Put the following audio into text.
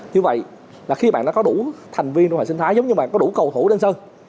như vậy là khi bạn đã có đủ thành viên trong hệ sinh thái giống như bạn có đủ cầu thủ đơn sơ